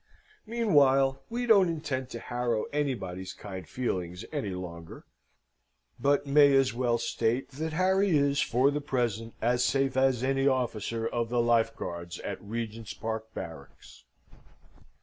Meanwhile, we don't intend to harrow anybody's kind feelings any longer, but may as well state that Harry is, for the present, as safe as any officer of the Life Guards at Regent's Park Barracks.